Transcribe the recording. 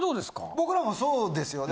僕らもそうですよね。